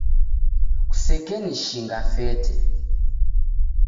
Kusekenishinga fete.